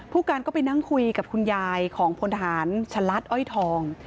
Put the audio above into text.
ผู้การก็ไปนั่งคุยกับคุณยายของพลทหารฉลัดอ้อยทอง